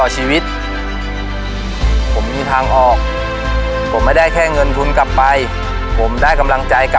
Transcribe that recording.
ชีวิตเขาน่ะ